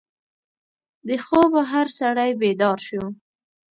د خوبه هر سړی بیدار شو.